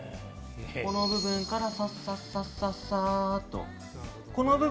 この部分から、さっさっさと。